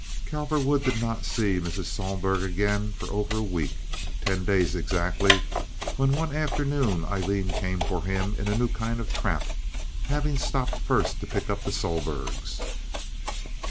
Cowperwood did not see Mrs. Sohlberg again for over a week—ten days exactly—when one afternoon Aileen came for him in a new kind of trap, having stopped first to pick up the Sohlbergs.